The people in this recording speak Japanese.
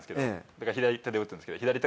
だから左手で打つんですけど。